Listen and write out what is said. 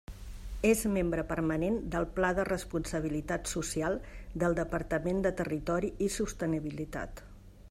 És membre permanent del Pla de responsabilitat social del Departament de Territori i Sostenibilitat.